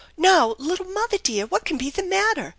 "Now, little mother, dear! What can be the matter?"